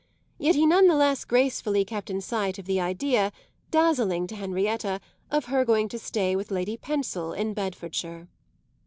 Yet he none the less gracefully kept in sight of the idea, dazzling to Henrietta, of her going to stay with Lady Pensil in Bedfordshire.